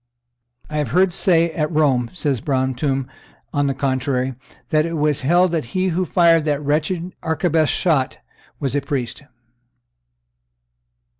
] "I have heard say at Rome," says Brantome on the contrary, "that it was held that he who fired that wretched arquebuse shot was a priest."